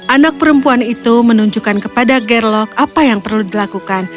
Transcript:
anak perempuan itu menunjukkan kepada gerlok apa yang perlu dilakukan